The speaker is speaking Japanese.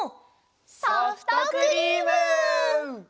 ソフトクリーム！